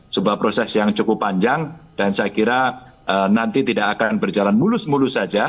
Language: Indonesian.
sebuah proses yang cukup panjang dan saya kira nanti tidak akan berjalan mulus mulus saja